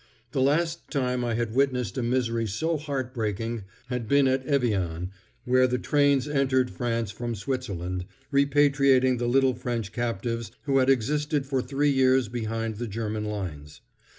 The last time I had witnessed a misery so heart breaking had been at Evian, where the trains entered France from Switzerland, repatriating the little French captives who had existed for three years behind the German lines.